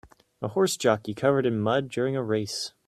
A horse jockey covered in mud during a race